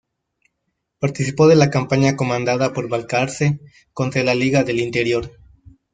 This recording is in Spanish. Participó de la campaña comandada por Balcarce contra la Liga del Interior.